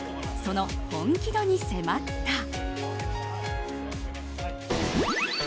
その本気度に迫った。